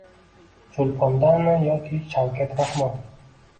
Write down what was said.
Choʼlpondanmi, yo Shavkat Rahmon